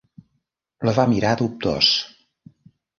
La va mirar dubtós.